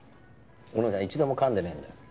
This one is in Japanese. お姉さん一度も噛んでねえんだよ。